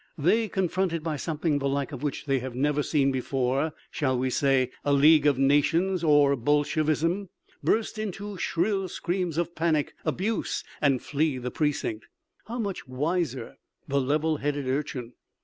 They, confronted by something the like of which they have never seen before shall we say a League of Nations or Bolshevism? burst into shrill screams of panic abuse and flee the precinct! How much wiser the level headed Urchin!